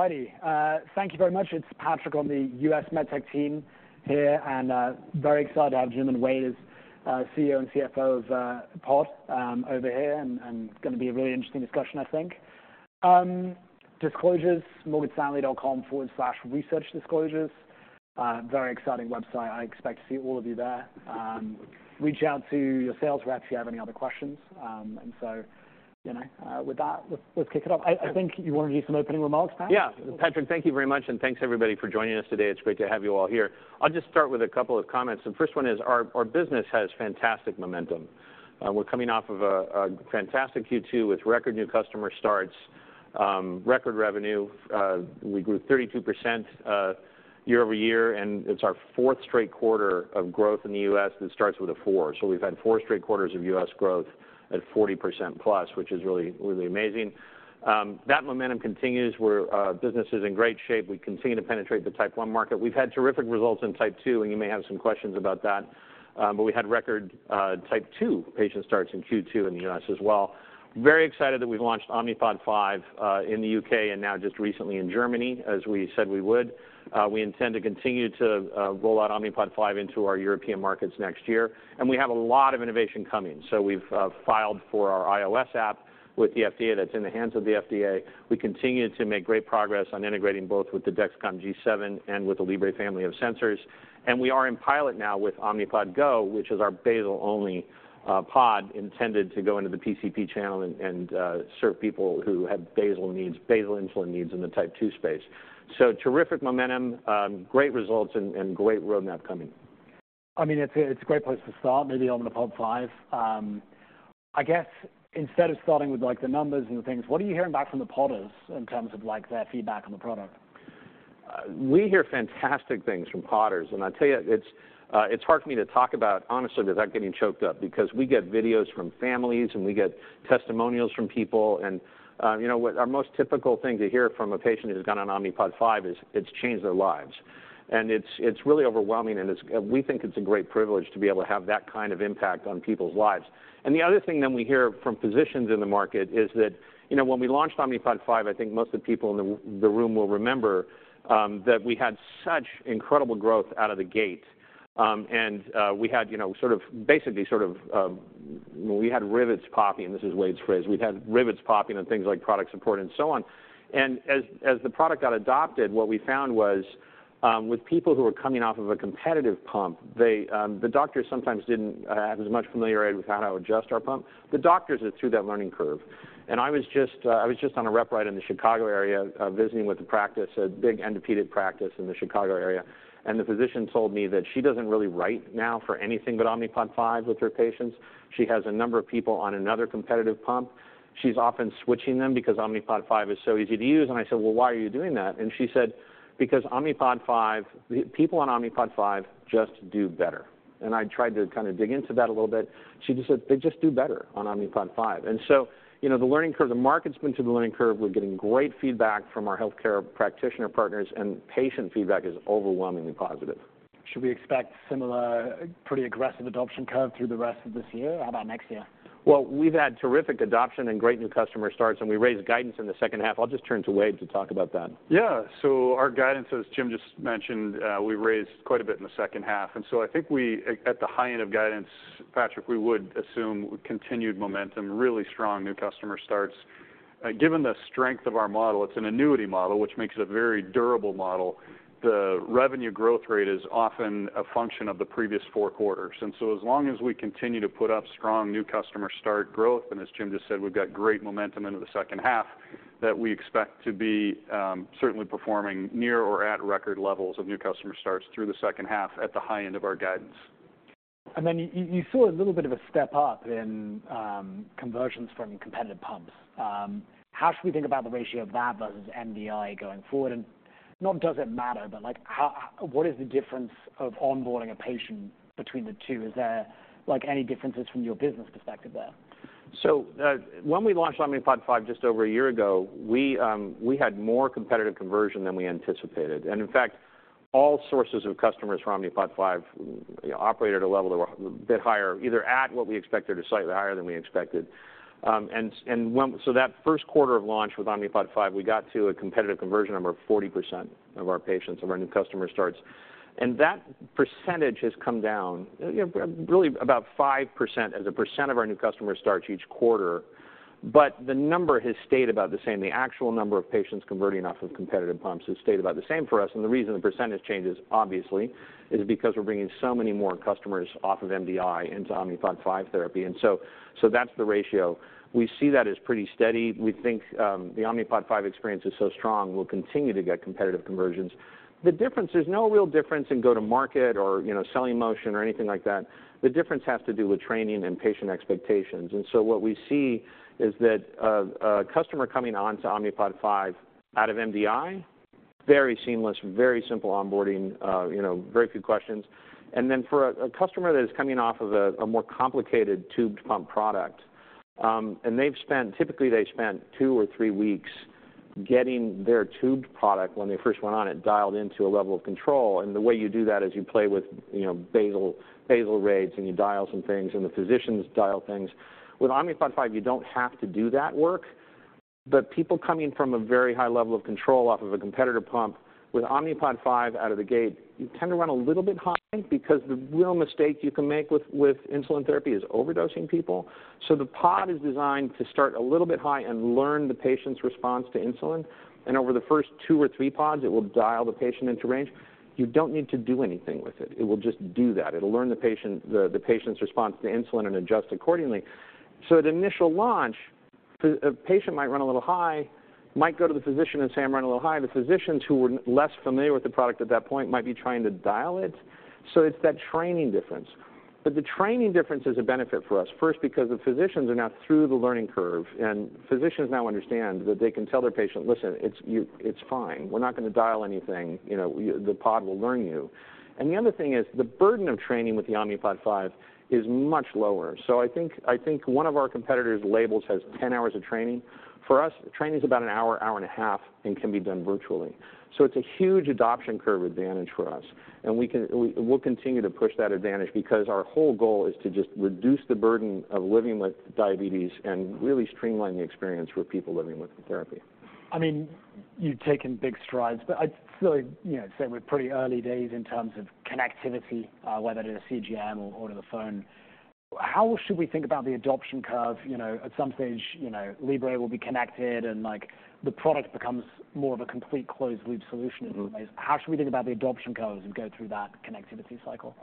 All righty. Thank you very much. It's Patrick on the U.S MedTech team here, and very excited to have Jim and Wayde as CEO and CFO of Pod over here. Going to be a very interesting discussion, I think. Disclosures, morganstanley.com/researchdisclosures. Very exciting website. I expect to see all of you there. Reach out to your sales rep if you have any other questions. So, you know, with that, let's kick it off. I think you want to do some opening remarks, Pat? Yeah. Patrick, thank you very much, and thanks, everybody, for joining us today. It's great to have you all here. I'll just start with a couple of comments. The first one is our business has fantastic momentum. We're coming off of a fantastic Q2 with record new customer starts, record revenue. We grew 32%, year-over-year, and it's our fourth straight quarter of growth in the U.S. that starts with a four. So we've had 4 straight quarters of U.S. growth at 40% plus, which is really, really amazing. That momentum continues, business is in great shape. We continue to penetrate the Type 1 market. We've had terrific results in Type 2, and you may have some questions about that, but we had record Type 2 patient starts in Q2 in the U.S. as well. Very excited that we've launched Omnipod 5 in the UK and now just recently in Germany, as we said we would. We intend to continue to roll out Omnipod 5 into our European markets next year, and we have a lot of innovation coming. So we've filed for our iOS app with the FDA. That's in the hands of the FDA. We continue to make great progress on integrating both with the Dexcom G7 and with the Libre family of sensors, and we are in pilot now with Omnipod GO, which is our basal only pod intended to go into the PCP channel and serve people who have basal needs, basal insulin needs in the Type 2 space. So terrific momentum, great results, and great roadmap coming. I mean, it's a great place to start, maybe on the Pod 5. I guess, instead of starting with, like, the numbers and things, what are you hearing back from the Podders in terms of, like, their feedback on the product? We hear fantastic things from Podders, and I tell you, it's hard for me to talk about honestly without getting choked up, because we get videos from families, and we get testimonials from people. You know what? Our most typical thing to hear from a patient who's gone on Omnipod 5 is it's changed their lives. It's really overwhelming, and it's we think it's a great privilege to be able to have that kind of impact on people's lives. The other thing that we hear from physicians in the market is that, you know, when we launched Omnipod 5, I think most of the people in the room will remember, that we had such incredible growth out of the gate. We had, you know, rivets popping, and this is Wayde's phrase. "We've had rivets popping and things like product support and so on." As the product got adopted, what we found was, with people who are coming off of a competitive pump, they... The doctors sometimes didn't have as much familiarity with how to adjust our pump. The doctors are through that learning curve, and I was just on a rep ride in the Chicago area, visiting with the practice, a big endocrinology practice in the Chicago area. The physician told me that she doesn't really write now for anything but Omnipod 5 with her patients. She has a number of people on another competitive pump. She's often switching them because Omnipod 5 is so easy to use. I said: "Well, why are you doing that?" She said: "Because Omnipod 5, the people on Omnipod 5 just do better." I tried to kind of dig into that a little bit. She just said: "They just do better on Omnipod 5." So, you know, the learning curve, the market's been through the learning curve. We're getting great feedback from our healthcare practitioner partners, and patient feedback is overwhelmingly positive. Should we expect similar, pretty aggressive adoption curve through the rest of this year? How about next year? Well, we've had terrific adoption and great new customer starts, and we raised guidance in the second half. I'll just turn to Wayde to talk about that. Yeah. So our guidance, as Jim just mentioned, we raised quite a bit in the second half, and so I think we at the high end of guidance, Patrick, we would assume continued momentum, really strong new customer starts. Given the strength of our model, it's an annuity model, which makes it a very durable model. The revenue growth rate is often a function of the previous four quarters. So as long as we continue to put up strong new customer start growth, and as Jim just said, we've got great momentum into the second half, that we expect to be certainly performing near or at record levels of new customer starts through the second half at the high end of our guidance. You saw a little bit of a step up in conversions from competitive pumps. How should we think about the ratio of that versus MDI going forward? Not does it matter, but like, what is the difference of onboarding a patient between the two? Is there, like, any differences from your business perspective there? So, when we launched Omnipod 5, just over a year ago, we had more competitive conversion than we anticipated. In fact, all sources of customers from Omnipod 5 operated at a level that were a bit higher, either at what we expected or slightly higher than we expected. When—so that first quarter of launch with Omnipod 5, we got to a competitive conversion number of 40% of our patients, of our new customer starts. That percentage has come down, you know, really about 5%, as a percent of our new customer starts each quarter. But the number has stayed about the same. The actual number of patients converting off of competitive pumps has stayed about the same for us, and the reason the percentage changes, obviously, is because we're bringing so many more customers off of MDI into Omnipod 5 therapy. So that's the ratio. We see that as pretty steady. We think the Omnipod 5 experience is so strong, we'll continue to get competitive conversions. The difference, there's no real difference in go-to-market or, you know, selling motion or anything like that. The difference has to do with training and patient expectations. So what we see is that a customer coming on to Omnipod 5 out of MDI, very seamless, very simple onboarding, you know, very few questions. Then for a customer that is coming off of a more complicated tubed pump product, and they've spent—typically they spent two or three weeks getting their tubed product when they first went on it, dialed into a level of control. The way you do that is you play with, you know, basal rates, and you dial some things, and the physicians dial things. With Omnipod 5, you don't have to do that work. But people coming from a very high level of control off of a competitor pump, with Omnipod 5 out of the gate, you tend to run a little bit high because the real mistake you can make with insulin therapy is overdosing people. So the pod is designed to start a little bit high and learn the patient's response to insulin, and over the first two or three pods, it will dial the patient into range. You don't need to do anything with it. It will just do that. It'll learn the patient, the patient's response to insulin and adjust accordingly. So at initial launch, a patient might run a little high, might go to the physician and say, "I'm running a little high." The physicians who were less familiar with the product at that point might be trying to dial it. So it's that training difference. But the training difference is a benefit for us. First, because the physicians are now through the learning curve, and physicians now understand that they can tell their patient, "Listen, it's you, it's fine. We're not going to dial anything. You know, the pod will learn you. And the other thing is, the burden of training with the Omnipod 5 is much lower. So I think, I think one of our competitors' labels has 10 hours of training. For us, training is about an hour, an hour and a half, and can be done virtually. So it's a huge adoption curve advantage for us, and we'll continue to push that advantage because our whole goal is to just reduce the burden of living with diabetes and really streamline the experience for people living with the therapy. I mean, you've taken big strides, but I'd still, you know, say we're pretty early days in terms of connectivity, whether in a CGM or in the phone. How should we think about the adoption curve? You know, at some stage, you know, Libre will be connected, and, like, the product becomes more of a complete closed loop solution in some ways. Mm-hmm. How should we think about the adoption curve as we go through that connectivity cycle?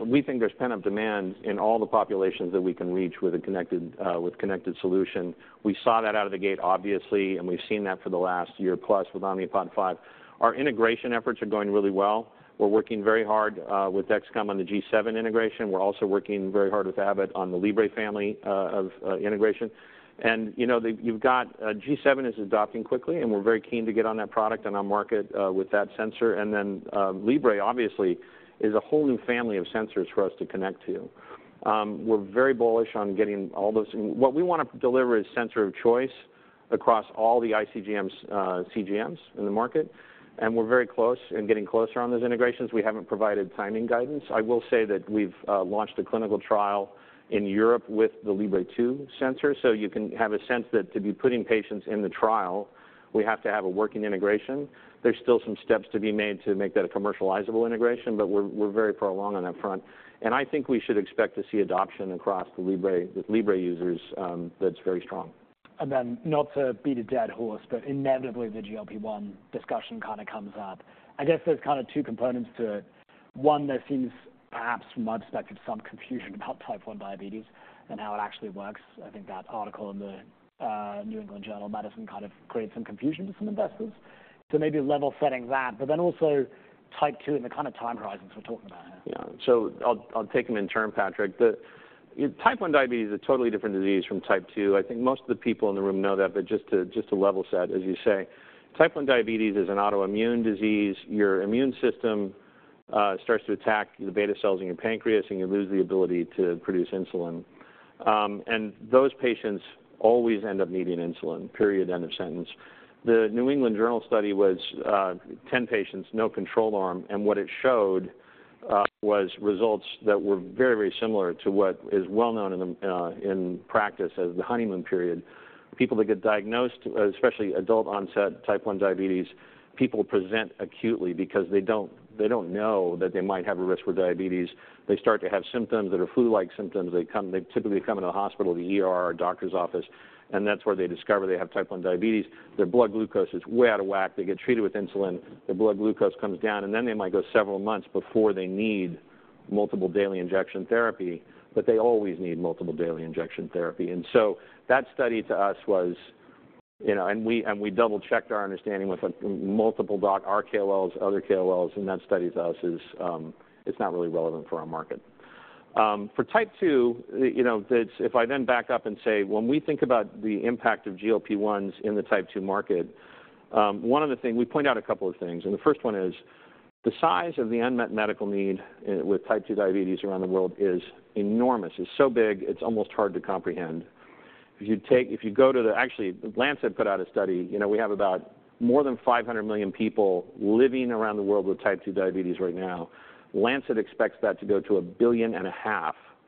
We think there's pent-up demand in all the populations that we can reach with a connected solution. We saw that out of the gate, obviously, and we've seen that for the last year, plus with Omnipod 5. Our integration efforts are going really well. We're working very hard with Dexcom on the G7 integration. We're also working very hard with Abbott on the Libre family integration. You know, you've got G7 is adopting quickly, and we're very keen to get on that product, and on market with that sensor. Libre obviously is a whole new family of sensors for us to connect to. We're very bullish on getting all those... What we want to deliver is sensor of choice across all the iCGMs, CGMs in the market, and we're very close and getting closer on those integrations. We haven't provided timing guidance. I will say that we've launched a clinical trial in Europe with the Libre 2 sensor. So you can have a sense that to be putting patients in the trial, we have to have a working integration. There's still some steps to be made to make that a commercializable integration, but we're very far along on that front. I think we should expect to see adoption across the Libre with Libre users, that's very strong. Not to beat a dead horse, but inevitably, the GLP-1 discussion kind of comes up. I guess there's kind of two components to it. One, there seems, perhaps from my perspective, some confusion about Type 1 diabetes and how it actually works. I think that article in the New England Journal of Medicine kind of created some confusion to some investors. So maybe level setting that, but then also Type 2 and the kind of time horizons we're talking about here. Yeah. So I'll take them in turn, Patrick. The Type 1 diabetes is a totally different disease from type 2. I think most of the people in the room know that, but just to level set, as you say, Type 1 diabetes is an autoimmune disease. Your immune system starts to attack the beta cells in your pancreas, and you lose the ability to produce insulin. Those patients always end up needing insulin, period, end of sentence. The New England Journal study was 10 patients, no control arm, and what it showed was results that were very, very similar to what is well known in the in practice as the honeymoon period. People that get diagnosed, especially adult-onset Type 1 diabetes, people present acutely because they don't know that they might have a risk for diabetes. They start to have symptoms that are flu-like symptoms. They typically come into the hospital, the ER, or a doctor's office, and that's where they discover they have type 1 diabetes. Their blood glucose is way out of whack. They get treated with insulin, their blood glucose comes down, and then they might go several months before they need multiple daily injection therapy, but they always need multiple daily injection therapy. So that study to us was, you know, and we double-checked our understanding with multiple docs, our KOLs, other KOLs, and that study to us is, it's not really relevant for our market. For type 2, you know, that, if I then back up and say, when we think about the impact of GLP-1s in the type 2 market, one of the things, we point out a couple of things, and the first one is the size of the unmet medical need with type 2 diabetes around the world is enormous. It's so big, it's almost hard to comprehend. If you go to the. Actually, Lancet put out a study. You know, we have about more than 500 million people living around the world with type 2 diabetes right now. Lancet expects that to go to 1.5 billion,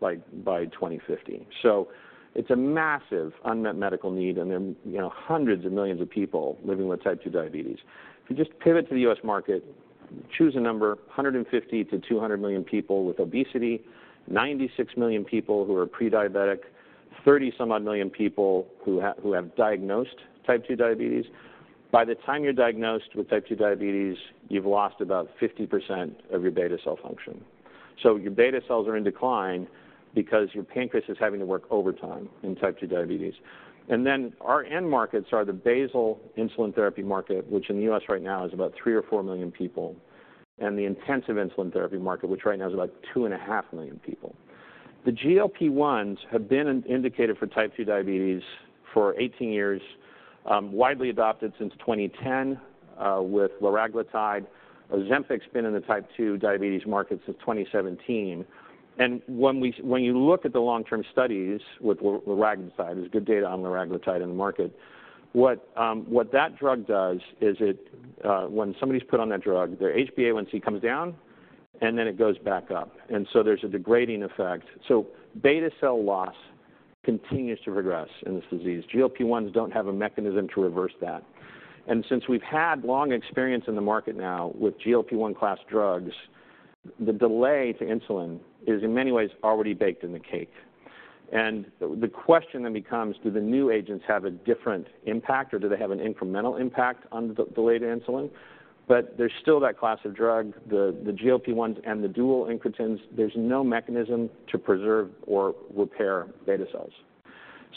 like, by 2050. So it's a massive unmet medical need, and there are, you know, hundreds of millions of people living with type 2 diabetes. If you just pivot to the US market, choose a number, 150-200 million people with obesity, 96 million people who are pre-diabetic, 30-some-odd million people who have diagnosed type 2 diabetes. By the time you're diagnosed with type 2 diabetes, you've lost about 50% of your beta cell function. So your beta cells are in decline because your pancreas is having to work overtime in type 2 diabetes. Our end markets are the basal insulin therapy market, which in the US right now is about 3-4 million people, and the intensive insulin therapy market, which right now is about 2.5 million people. The GLP-1s have been indicated for type 2 diabetes for 18 years, widely adopted since 2010, with Liraglutide. Ozempic's been in the type 2 diabetes market since 2017. When you look at the long-term studies with liraglutide, there's good data on liraglutide in the market. What, what that drug does is it, when somebody's put on that drug, their HbA1c comes down... and then it goes back up, and so there's a degrading effect. So beta cell loss continues to progress in this disease. GLP-1s don't have a mechanism to reverse that. Since we've had long experience in the market now with GLP-1 class drugs, the delay to insulin is, in many ways, already baked in the cake. The question then becomes, do the new agents have a different impact, or do they have an incremental impact on the delayed insulin? But there's still that class of drug, the GLP-1s and the dual incretins. There's no mechanism to preserve or repair beta cells.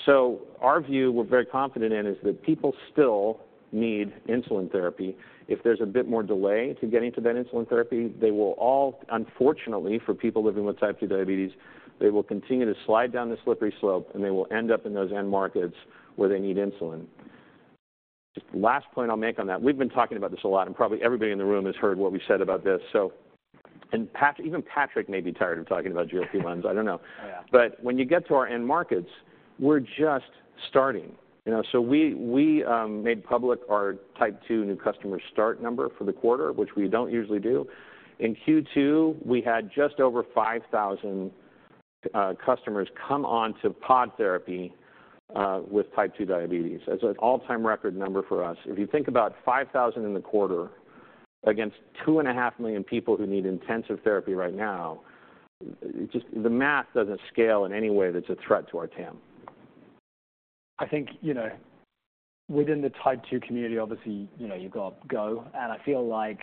So our view, we're very confident in, is that people still need insulin therapy. If there's a bit more delay to getting to that insulin therapy, they will all, unfortunately, for people living with type 2 diabetes, they will continue to slide down the slippery slope, and they will end up in those end markets where they need insulin. Last point I'll make on that. We've been talking about this a lot, and probably everybody in the room has heard what we've said about this, so, and Pat, even Patrick may be tired of talking about GLP-1s, I don't know. Oh, yeah. But when you get to our end markets, we're just starting. You know, so we made public our Type 2 new customer start number for the quarter, which we don't usually do. In Q2, we had just over 5,000 customers come on to pod therapy with Type 2 diabetes. That's an all-time record number for us. If you think about 5,000 in the quarter against 2.5 million people who need intensive therapy right now, just the math doesn't scale in any way that's a threat to our TAM. I think, you know, within the Type 2 community, obviously, you know, you've got Go, and I feel like,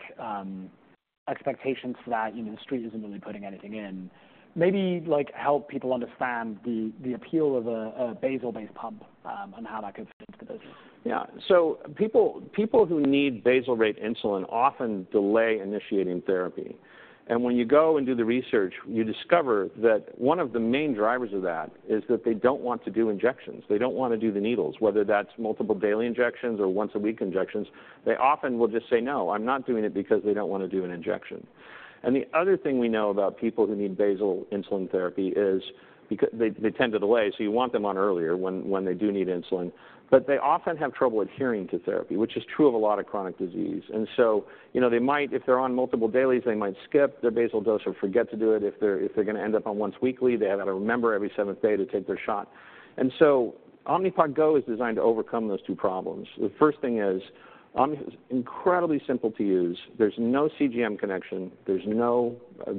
expectations for that, you know, the street isn't really putting anything in. Maybe, like, help people understand the appeal of a basal-based pump, and how that could fit into this. Yeah. So people who need basal rate insulin often delay initiating therapy, and when you go and do the research, you discover that one of the main drivers of that is that they don't want to do injections. They don't want to do the needles, whether that's multiple daily injections or once-a-week injections. They often will just say, "No, I'm not doing it," because they don't want to do an injection. The other thing we know about people who need basal insulin therapy is they tend to delay, so you want them on earlier when they do need insulin. But they often have trouble adhering to therapy, which is true of a lot of chronic disease. So, you know, they might, if they're on multiple dailies, they might skip their basal dose or forget to do it. If they're going to end up on once weekly, they have to remember every seventh day to take their shot. So Omnipod GO is designed to overcome those two problems. The first thing is, Omni is incredibly simple to use. There's no CGM connection. There's no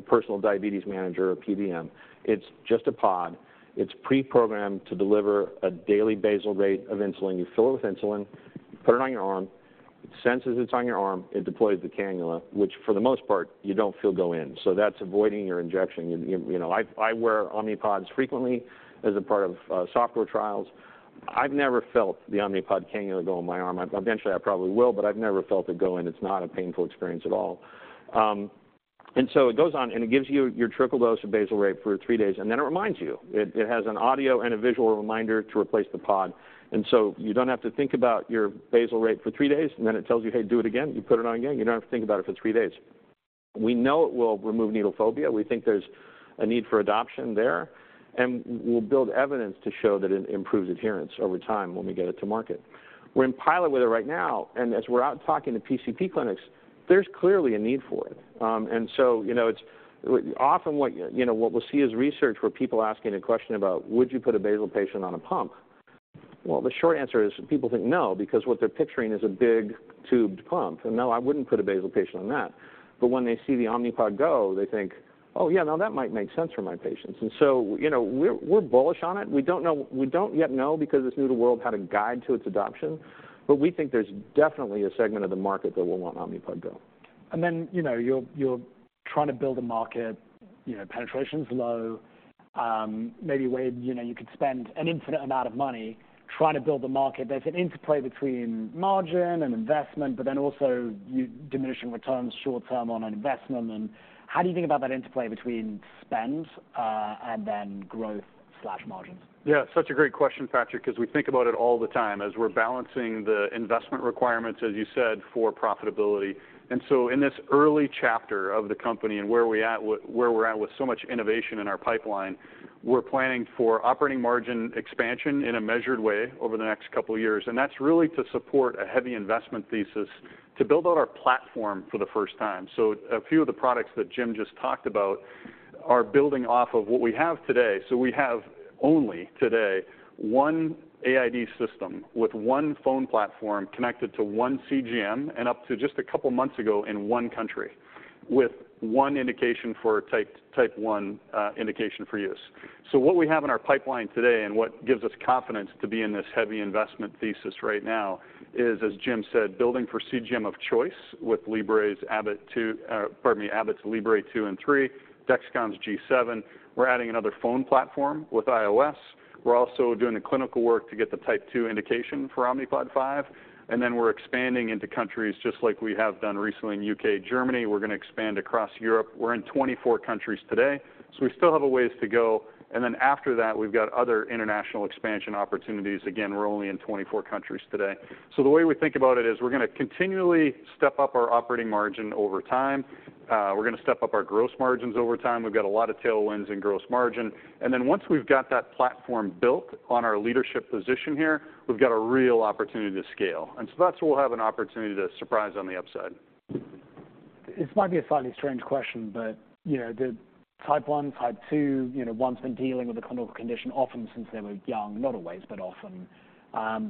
personal diabetes manager or PDM. It's just a pod. It's preprogrammed to deliver a daily basal rate of insulin. You fill it with insulin, you put it on your arm, it senses it's on your arm, it deploys the cannula, which for the most part, you don't feel go in. So that's avoiding your injection. You know... I wear Omnipods frequently as a part of software trials. I've never felt the Omnipod cannula go in my arm. Eventually, I probably will, but I've never felt it go in. It's not a painful experience at all. So it goes on, and it gives you your trickle dose of basal rate for three days, and then it reminds you. It has an audio and a visual reminder to replace the pod. So you don't have to think about your basal rate for three days, and then it tells you, "Hey, do it again." You put it on again. You don't have to think about it for three days. We know it will remove needle phobia. We think there's a need for adoption there, and we'll build evidence to show that it improves adherence over time when we get it to market. We're in pilot with it right now, and as we're out talking to PCP clinics, there's clearly a need for it. Often what, you know, what we'll see is research where people asking a question about: Would you put a basal patient on a pump? Well, the short answer is people think, "No," because what they're picturing is a big tubed pump, and, "No, I wouldn't put a basal patient on that." But when they see the Omnipod GO, they think, "Oh, yeah, now that might make sense for my patients." So, you know, we're, we're bullish on it. We don't know— We don't yet know because it's new to world, how to guide to its adoption, but we think there's definitely a segment of the market that will want Omnipod GO. You know, you're trying to build a market, you know, penetration's low, maybe where, you know, you could spend an infinite amount of money trying to build the market. There's an interplay between margin and investment, but then also you diminishing returns short term on an investment. How do you think about that interplay between spend, and then growth/margins? Yeah, such a great question, Patrick, 'cause we think about it all the time as we're balancing the investment requirements, as you said, for profitability. So in this early chapter of the company and where we're at with so much innovation in our pipeline, we're planning for operating margin expansion in a measured way over the next couple of years. That's really to support a heavy investment thesis to build out our platform for the first time. So a few of the products that Jim just talked about are building off of what we have today. So we have only today, one AID system with one phone platform connected to one CGM, and up to just a couple of months ago, in one country, with one indication for type one indication for use. So what we have in our pipeline today and what gives us confidence to be in this heavy investment thesis right now is, as Jim said, building for CGM of choice with Abbott's Libre 2 and 3, Dexcom's G7. We're adding another phone platform with iOS. We're also doing the clinical work to get the type 2 indication for Omnipod 5, and then we're expanding into countries just like we have done recently in UK, Germany. We're going to expand across Europe. We're in 24 countries today, so we still have a ways to go. After that, we've got other international expansion opportunities. Again, we're only in 24 countries today. So the way we think about it is we're going to continually step up our operating margin over time. We're going to step up our gross margins over time. We've got a lot of tailwinds in gross margin. Then once we've got that platform built on our leadership position here, we've got a real opportunity to scale. So that's where we'll have an opportunity to surprise on the upside.... This might be a slightly strange question, but, you know, the Type 1, Type 2, you know, one's been dealing with a clinical condition, often since they were young, not always, but often.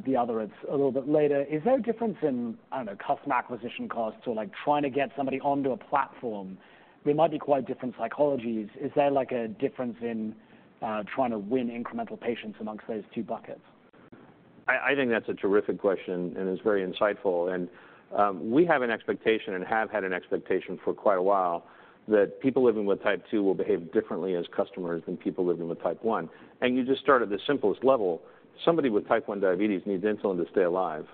The other, it's a little bit later. Is there a difference in, I don't know, customer acquisition costs or, like, trying to get somebody onto a platform? There might be quite different psychologies. Is there, like, a difference in, trying to win incremental patients amongst those two buckets? I think that's a terrific question and is very insightful. We have an expectation and have had an expectation for quite a while, that people living with Type 2 will behave differently as customers than people living with Type 1. You just start at the simplest level. Somebody with Type 1 diabetes needs insulin to stay alive,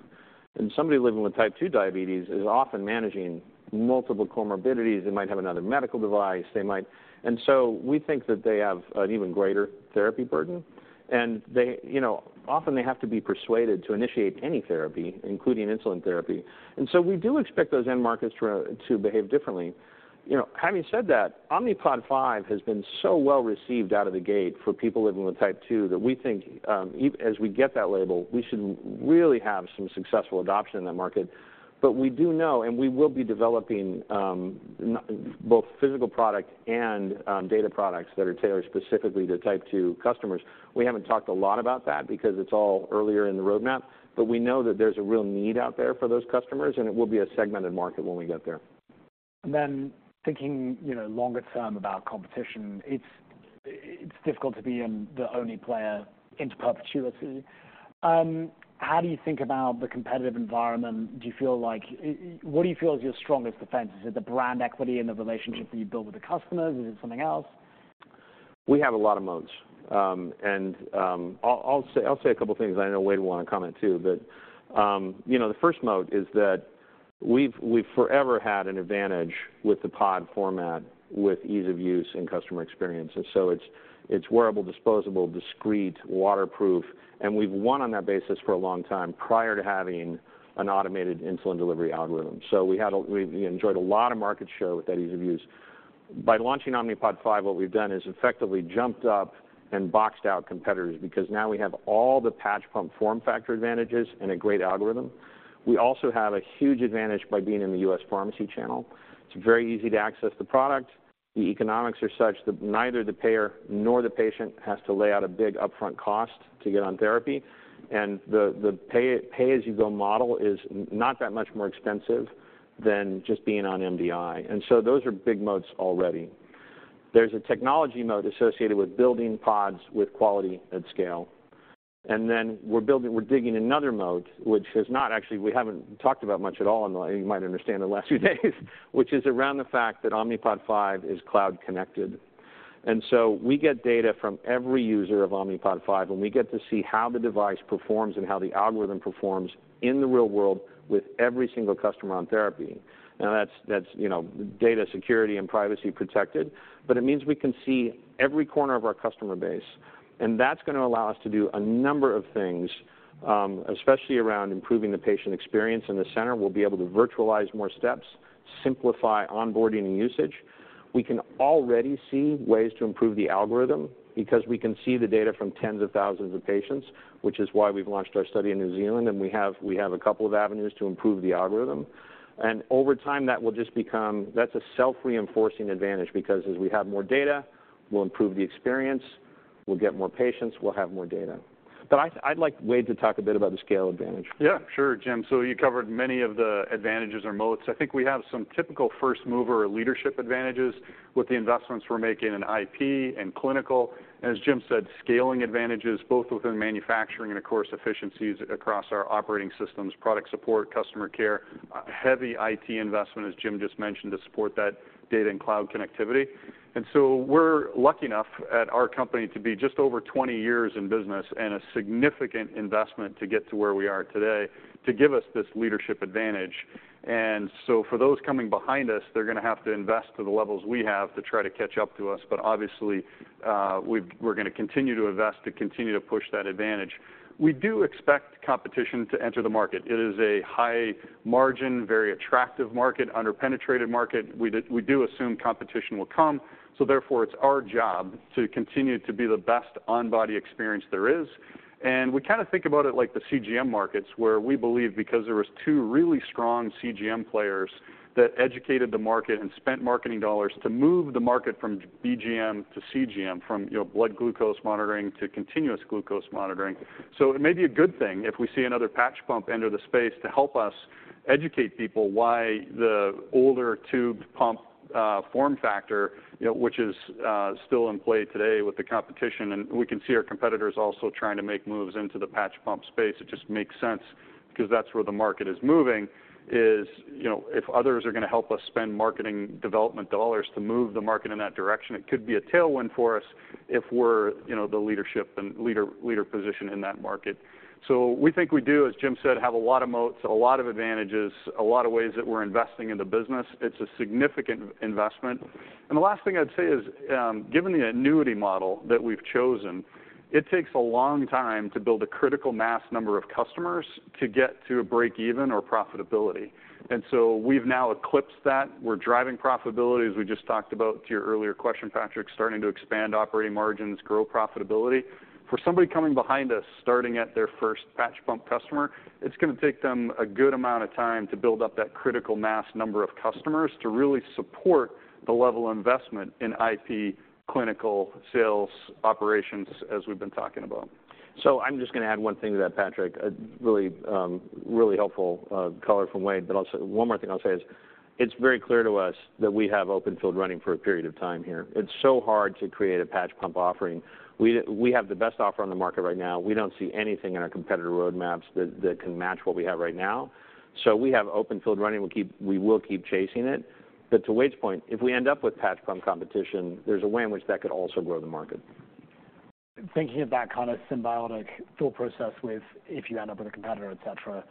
and somebody living with Type 2 diabetes is often managing multiple comorbidities. They might have another medical device, they might— So we think that they have an even greater therapy burden, and they, you know, often they have to be persuaded to initiate any therapy, including insulin therapy. So we do expect those end markets to behave differently. You know, having said that, Omnipod 5 has been so well received out of the gate for people living with Type 2, that we think, as we get that label, we should really have some successful adoption in that market. But we do know, and we will be developing both physical product and data products that are tailored specifically to Type 2 customers. We haven't talked a lot about that because it's all earlier in the roadmap, but we know that there's a real need out there for those customers, and it will be a segmented market when we get there. Then thinking, you know, longer term about competition, it's difficult to be the only player into perpetuity. How do you think about the competitive environment? Do you feel like, what do you feel is your strongest defense? Is it the brand equity and the relationship that you build with the customers? Is it something else? We have a lot of moats. I'll say a couple of things. I know Wayde will want to comment, too. But you know, the first moat is that we've forever had an advantage with the pod format, with ease of use and customer experience. So it's wearable, disposable, discreet, waterproof, and we've won on that basis for a long time prior to having an automated insulin delivery algorithm. So we enjoyed a lot of market share with that ease of use. By launching Omnipod 5, what we've done is effectively jumped up and boxed out competitors because now we have all the patch pump form factor advantages and a great algorithm. We also have a huge advantage by being in the U.S. pharmacy channel. It's very easy to access the product. The economics are such that neither the payer nor the patient has to lay out a big upfront cost to get on therapy, and the pay as you go model is not that much more expensive than just being on MDI. So those are big moats already. There's a technology moat associated with building pods with quality at scale. We're building, we're digging another moat, which has not actually, we haven't talked about much at all, and you might understand the last few days, which is around the fact that Omnipod 5 is cloud connected. So we get data from every user of Omnipod 5, and we get to see how the device performs and how the algorithm performs in the real world with every single customer on therapy. Now, that's, that's, you know, data security and privacy protected, but it means we can see every corner of our customer base, and that's going to allow us to do a number of things, especially around improving the patient experience in the center. We'll be able to virtualize more steps, simplify onboarding and usage. We can already see ways to improve the algorithm because we can see the data from tens of thousands of patients, which is why we've launched our study in New Zealand, and we have a couple of avenues to improve the algorithm. Over time, that will just become. That's a self-reinforcing advantage because as we have more data, we'll improve the experience, we'll get more patients, we'll have more data. But I'd like Wayde to talk a bit about the scale advantage. Yeah, sure, Jim. So you covered many of the advantages or moats. I think we have some typical first-mover or leadership advantages with the investments we're making in IP and clinical. As Jim said, scaling advantages both within manufacturing and, of course, efficiencies across our operating systems, product support, customer care, heavy IT investment, as Jim just mentioned, to support that data and cloud connectivity. So we're lucky enough at our company to be just over 20 years in business and a significant investment to get to where we are today, to give us this leadership advantage. So for those coming behind us, they're going to have to invest to the levels we have to try to catch up to us. But obviously, we're going to continue to invest, to continue to push that advantage. We do expect competition to enter the market. It is a high margin, very attractive market, underpenetrated market. We do, we do assume competition will come, so therefore, it's our job to continue to be the best on-body experience there is. We kind of think about it like the CGM markets, where we believe because there was two really strong CGM players that educated the market and spent marketing dollars to move the market from BGM to CGM, from, you know, blood glucose monitoring to continuous glucose monitoring. So it may be a good thing if we see another patch pump enter the space to help us educate people why the older tube pump form factor, you know, which is still in play today with the competition. We can see our competitors also trying to make moves into the patch pump space. It just makes sense because that's where the market is moving is, you know, if others are going to help us spend marketing development dollars to move the market in that direction, it could be a tailwind for us if we're, you know, the leadership and leader, leader position in that market. So we think we do, as Jim said, have a lot of moats, a lot of advantages, a lot of ways that we're investing in the business. It's a significant investment. The last thing I'd say is, given the annuity model that we've chosen, it takes a long time to build a critical mass number of customers to get to a break-even or profitability. So we've now eclipsed that. We're driving profitability, as we just talked about to your earlier question, Patrick, starting to expand operating margins, grow profitability. For somebody coming behind us, starting at their first patch pump customer, it's going to take them a good amount of time to build up that critical mass number of customers to really support the level of investment in IT, clinical, sales, operations, as we've been talking about. So I'm just gonna add one thing to that, Patrick. A really really helpful color from Wayde. But I'll say, one more thing I'll say is, it's very clear to us that we have open field running for a period of time here. It's so hard to create a patch pump offering. We have the best offer on the market right now. We don't see anything in our competitor roadmaps that can match what we have right now. So we have open field running. We'll keep we will keep chasing it. But to Wayde's point, if we end up with patch pump competition, there's a way in which that could also grow the market. Thinking of that kind of symbiotic thought process with if you end up with a competitor, et cetera.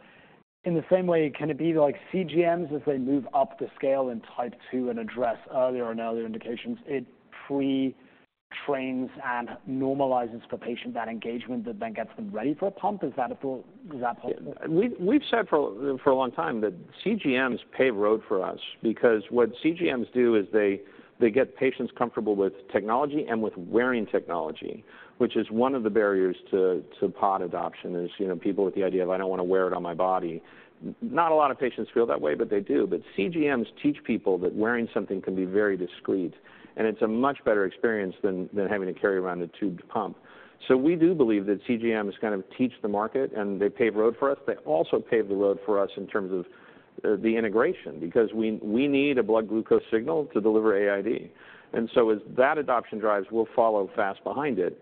In the same way, can it be like CGMs, as they move up the scale in Type 2 and address earlier and other indications, it pre-trains and normalizes for patient, that engagement that then gets them ready for a pump? Is that a thought? Is that possible? We've said for a long time that CGMs pave road for us, because what CGMs do is they get patients comfortable with technology and with wearing technology, which is one of the barriers to pod adoption, you know, people with the idea of, "I don't want to wear it on my body." Not a lot of patients feel that way, but they do. But CGMs teach people that wearing something can be very discreet, and it's a much better experience than having to carry around a tubed pump. So we do believe that CGMs kind of teach the market, and they pave road for us. They also pave the road for us in terms of the integration, because we need a blood glucose signal to deliver AID. So as that adoption drives, we'll follow fast behind it.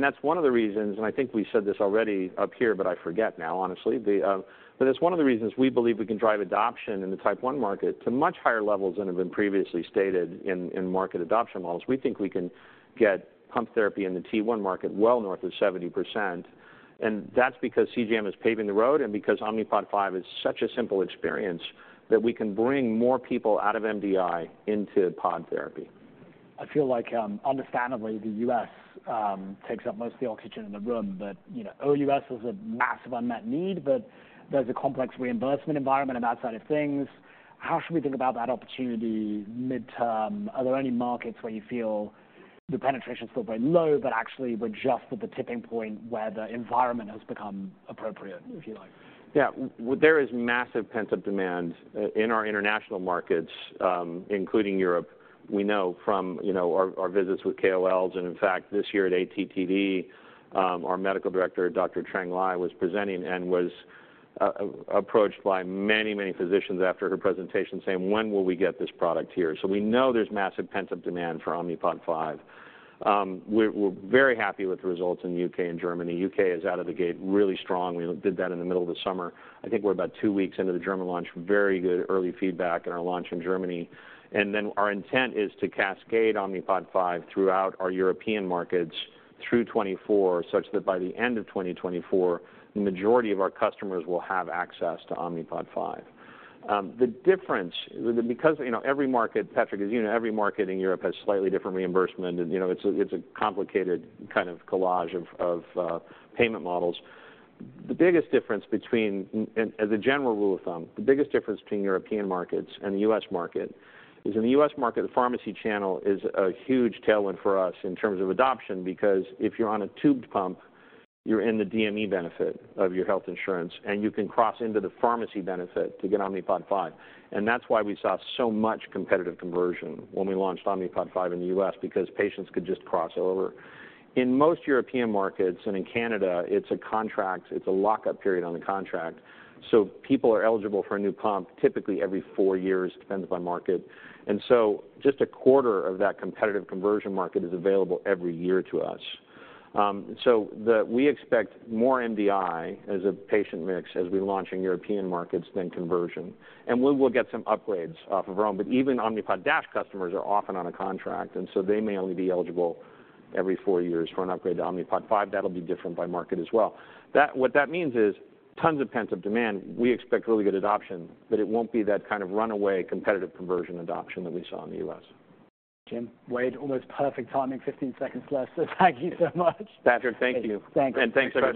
That's one of the reasons, and I think we said this already up here, but I forget now, honestly. But it's one of the reasons we believe we can drive adoption in the Type 1 market to much higher levels than have been previously stated in market adoption models. We think we can get pump therapy in the T1 market well north of 70%, and that's because CGM is paving the road and because Omnipod 5 is such a simple experience, that we can bring more people out of MDI into pod therapy. I feel like, understandably, the U.S., takes up most of the oxygen in the room, but, you know, OUS is a massive unmet need, but there's a complex reimbursement environment on that side of things. How should we think about that opportunity mid-term? Are there any markets where you feel the penetration is still very low, but actually we're just at the tipping point where the environment has become appropriate, if you like? Yeah. Well, there is massive pent-up demand in our international markets, including Europe. We know from, you know, our visits with KOLs, and in fact, this year at ATTD, our medical director, Dr. Trang Ly, was presenting and was approached by many, many physicians after her presentation saying, "When will we get this product here?" So we know there's massive pent-up demand for Omnipod 5. We're very happy with the results in the UK and Germany. UK is out of the gate, really strong. We did that in the middle of the summer. I think we're about two weeks into the German launch. Very good early feedback in our launch in Germany. Then our intent is to cascade Omnipod 5 throughout our European markets through 2024, such that by the end of 2024, the majority of our customers will have access to Omnipod 5. The difference, because, you know, every market, Patrick, as you know, every market in Europe has slightly different reimbursement, and, you know, it's a, it's a complicated kind of collage of, of, payment models. The biggest difference between, and, as a general rule of thumb, the biggest difference between European markets and the U.S. market, is in the U.S. market, the pharmacy channel is a huge tailwind for us in terms of adoption, because if you're on a tubed pump, you're in the DME benefit of your health insurance, and you can cross into the pharmacy benefit to get Omnipod 5. That's why we saw so much competitive conversion when we launched Omnipod 5 in the U.S., because patients could just cross over. In most European markets and in Canada, it's a contract, it's a lockup period on the contract, so people are eligible for a new pump, typically every four years, depends on by market. So just a quarter of that competitive conversion market is available every year to us. We expect more MDI as a patient mix as we launch in European markets than conversion. We will get some upgrades off of our own. But even Omnipod DASH customers are often on a contract, and so they may only be eligible every four years for an upgrade to Omnipod 5. That'll be different by market as well. What that means is tons of pent-up demand. We expect really good adoption, but it won't be that kind of runaway, competitive conversion adoption that we saw in the U.S. Jim Wayde, almost perfect timing, 15 seconds left, so thank you so much. Patrick, thank you. Thank you. Thanks, everyone.